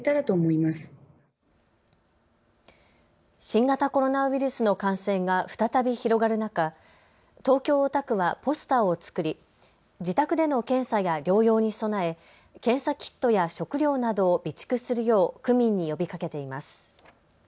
新型コロナウイルスの感染が再び広がる中、東京大田区はポスターを作り自宅での検査や療養に備え検査キットや食料などを備蓄するよう区民に呼びかけています。